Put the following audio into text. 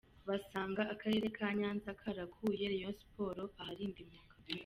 Basanga Akarere ka Nyanza karakuye Reyo Siporo aharindimuka